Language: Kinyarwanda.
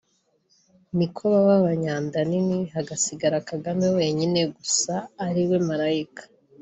niko baba abanyanda nini hagasigara Kagame wenyine gusa ariwe malayika